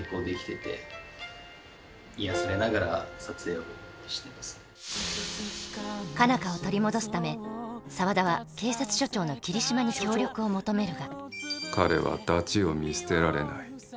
しかし控え室では予想外の展開が佳奈花を取り戻すため沢田は警察署長の桐島に協力を求めるが彼はダチを見捨てられない。